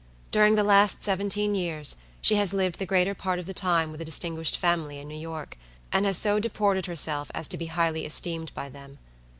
During the last seventeen years, she has lived the greater part of the time with a distinguished family in New York, and has so deported herself as to be highly esteemed by them.